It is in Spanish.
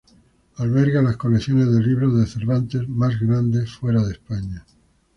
Alberga la colección de libros de Cervantes más grande fuera de España.